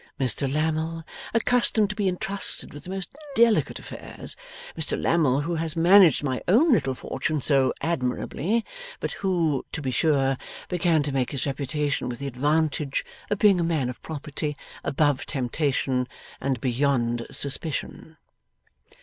Mr Lammle, accustomed to be intrusted with the most delicate affairs. Mr Lammle, who has managed my own little fortune so admirably, but who, to be sure, began to make his reputation with the advantage of being a man of property, above temptation, and beyond suspicion.